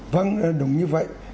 vâng đúng như vậy